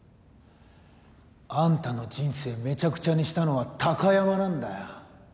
あんたの人生めちゃくちゃにしたのは貴山なんだよ。